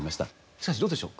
しかしどうでしょう。